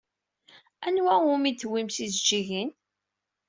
Anwa umi d-tewwim tijeǧǧigin?